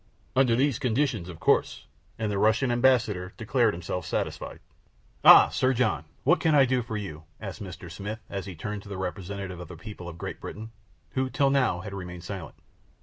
"Under these conditions, of course " And the Russian ambassador declared himself satisfied. "Ah, Sir John, what can I do for you?" asked Mr. Smith as he turned to the representative of the people of Great Britain, who till now had remained silent.